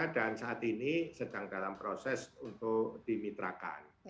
dan saat ini sedang dalam proses untuk dimitrakan